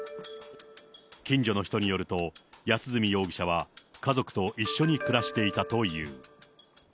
近所の人によると、安栖容疑者は家族と一緒に暮らしていたという。